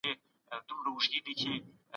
هغه هيڅ ملګری او خپلوان نه لري.